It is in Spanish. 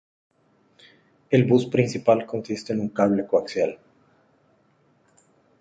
El bus principal consiste en un cable coaxial.